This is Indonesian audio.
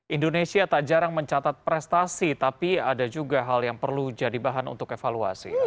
indonesia tak jarang mencatat prestasi tapi ada juga hal yang perlu jadi bahan untuk evaluasi